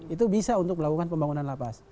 itu bisa untuk melakukan pembangunan lapas